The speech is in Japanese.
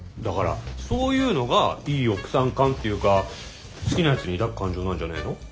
だからそういうのがいい奥さん感っていうか好きな人に抱く感情なんじゃねえの？